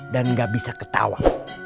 dan gak bisa ketawa